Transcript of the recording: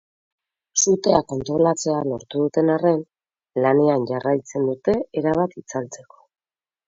Sutea kontrolatzea lortu duten arren, lanean jarraitzen dute erabat itzaltzeko.